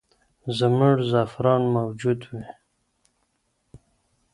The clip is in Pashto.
زموږ زعفران موجود وي.